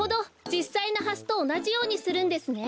じっさいのハスとおなじようにするんですね。